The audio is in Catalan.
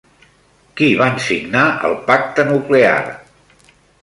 Qui van signar el pacte nuclear?